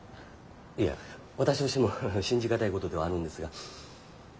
いや私としても信じがたいことではあるんですが。